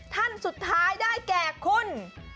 ท่านสุดท้ายได้แก่คุณ